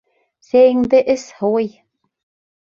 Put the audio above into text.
Сәйеңде эс, һыуый.